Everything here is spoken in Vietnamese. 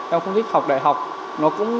em không thích học đại học